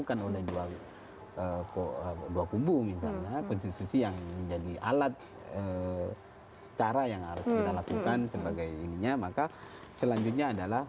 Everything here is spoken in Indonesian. kami juga mengimbal kepada anda